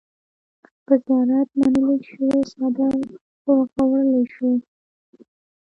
په زيارت منلے شوے څادر اوغوړولے شو۔